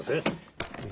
え